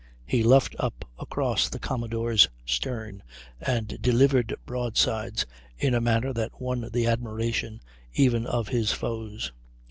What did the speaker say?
He luffed up across the commodore's stern, and delivered broadsides in a manner that won the admiration even of his foes.